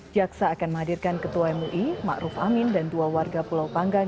jaksa akan menghadirkan ketua mui ma'ruf amin dan dua warga pulau panggang